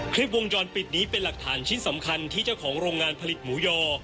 คลิปวงจรปิดนี้เป็นหลักฐานชิ้นสำคัญที่เจ้าของโรงงานผลิตหมูยอ